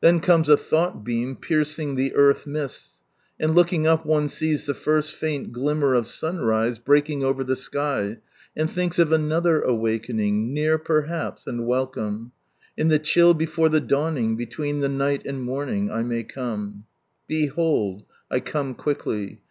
Then comes a thought beam piercing the earth mists, and looking up one sees the first faint glimmer of sunrise breaking over the sky, and thinks of another awakening, near perhaps, and welcome :" In Ike chill he/ore Ike dmening, Btlvittn Ike iii'^t mid morning, " Behold, I come quickly